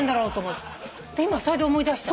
今それで思い出した。